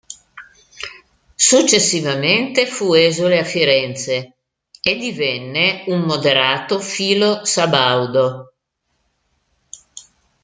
Successivamente fu esule a Firenze e divenne un moderato filo-sabaudo.